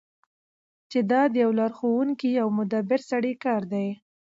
چی دا د یو لارښوونکی او مدبر سړی کار دی.